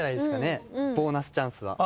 ボーナスチャンスは。